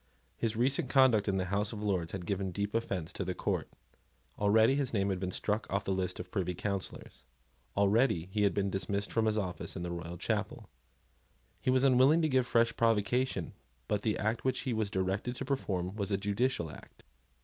His recent conduct in the House of Lords had given deep offence to the court. Already his name had been struck out of the list of Privy Councillors. Already he had been dismissed from his office in the royal chapel. He was unwilling to give fresh provocation but the act which he was directed to perform was a judicial act.